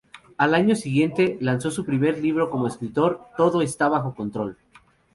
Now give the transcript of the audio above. Al año siguiente, lanzó su primer libro como escritor "Todo está bajo control".